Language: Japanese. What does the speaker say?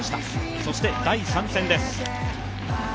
そして第３戦です。